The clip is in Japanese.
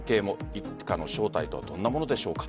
一家の正体とはどんなものでしょうか。